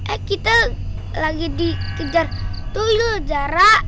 eh kita lagi dikejar dulu jarak